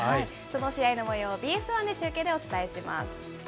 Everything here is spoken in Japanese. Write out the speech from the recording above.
その試合のもようをＢＳ１で中継でお伝えします。